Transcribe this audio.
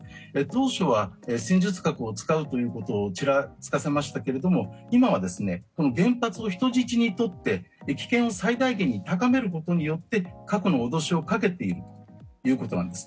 当初は戦術核を使うということをちらつかせましたけど今はこの原発を人質に取って危険を最大限に高めることによって核の脅しをかけているということなんです。